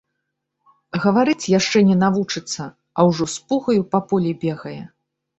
Гаварыць яшчэ не навучыцца, а ўжо з пугаю па полі бегае.